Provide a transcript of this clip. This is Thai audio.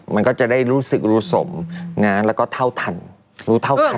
มันก็จะได้รู้สึกรู้สมนะแล้วก็เท่าทันรู้เท่าทัน